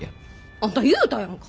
あんた言うたやんか。